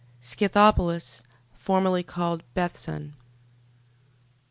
Scythopolis... Formerly called Bethsan.